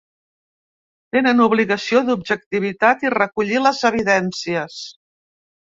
Tenen obligació d’objectivitat i recollir les evidències.